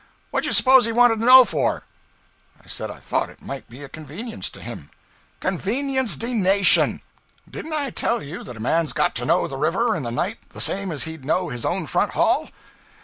What did you suppose he wanted to know for?' I said I thought it might be a convenience to him. 'Convenience D nation! Didn't I tell you that a man's got to know the river in the night the same as he'd know his own front hall?'